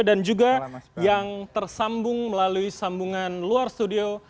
dan juga yang tersambung melalui sambungan luar studio